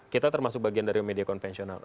kita termasuk bagian dari media konvensional